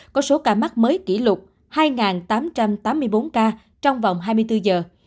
có số ca mắc mới kỷ lục hai tám trăm tám mươi bốn ca trong vòng hai mươi bốn giờ